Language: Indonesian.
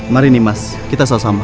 mari nih mas kita bersama